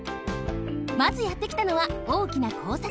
まずやってきたのは大きなこうさてん。